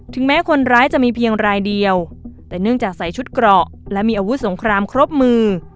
แม้คนร้ายจะมีเพียงรายเดียวแต่เนื่องจากใส่ชุดเกราะและมีอาวุธสงครามครบมือ